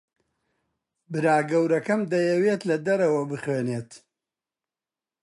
برا گەورەکەم دەیەوێت لە دەرەوە بخوێنێت.